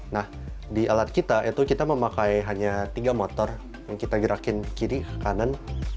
nah di alat kita itu kita memakai hanya tiga motor yang kita gerakin kiri ke kanan